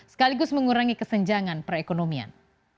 sekaligus mengurangi kesenjangan perekonomian